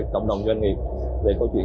cộng đồng doanh nghiệp về câu chuyện